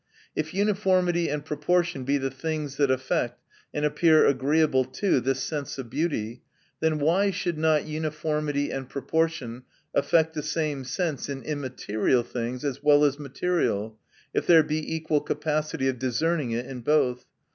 If uniformity and proportion be the things that affect, and appear agreeable to, (his sense of beauty, then why should not uniformity and proportion affect the same THE NATURE OF VIRTUE. 275 sense in immaterial things as well as material, if there he equal capacity of dis cerning it in both